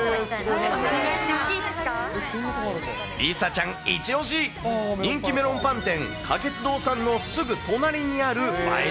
梨紗ちゃんイチオシ、人気メロンパン店、花月堂さんのすぐ隣にある映え